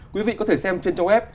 quý vị có thể xem trên trang web